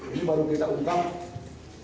ini baru kita ungkap